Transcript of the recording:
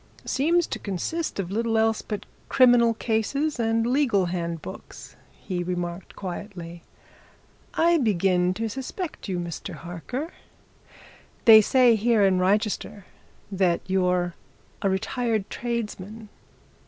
"Seems to consist of little else but criminal cases and legal handbooks," he remarked quietly. "I begin to suspect you, Mr. Harker. They say here in Wrychester that you're a retired tradesman.